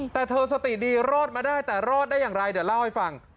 แต่เธอสติดีรอดมาได้แต่รอดได้อย่างไรเดี๋ยวเล่าให้ฟัง